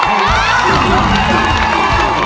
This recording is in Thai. โอเคเลย